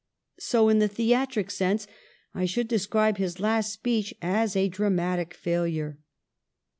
So, in the theatric sense, I should describe his last speech as a dramatic failure.